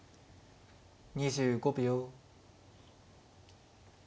２５秒。